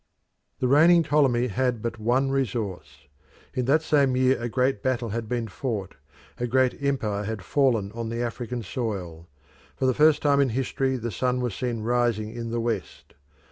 The reigning Ptolemy had but one resource. In that same year a great battle had been fought, a great empire had fallen on the African soil. For the first time in history the sun was seen rising in the West.